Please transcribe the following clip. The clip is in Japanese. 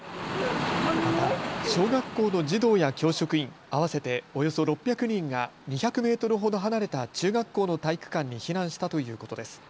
また小学校の児童や教職員、合わせておよそ６００人が２００メートルほど離れた中学校の体育館に避難したということです。